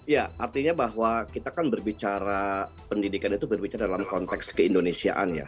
ya artinya bahwa kita kan berbicara pendidikan itu berbicara dalam konteks keindonesiaan ya